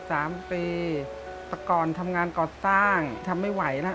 สามปีแต่ก่อนทำงานก่อสร้างทำไม่ไหวนะ